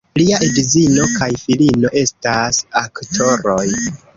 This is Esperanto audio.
Lia edzino kaj filino estas aktoroj.